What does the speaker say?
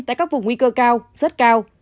tại các vùng nguy cơ cao rất cao